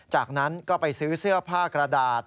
จากนั้นก็ไปซื้อเสื้อผ้ากระดาษ